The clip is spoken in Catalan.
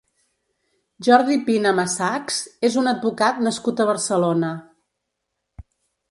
Jordi Pina Massachs és un advocat nascut a Barcelona.